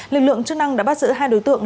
lực lượng chức năng đã bắt giữ hai đối tượng